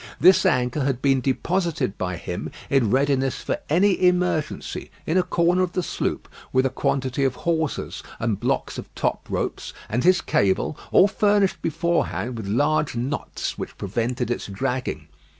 This anchor had been deposited by him in readiness for any emergency, in a corner of the sloop, with a quantity of hawsers, and blocks of top ropes, and his cable, all furnished beforehand with large knots, which prevented its dragging.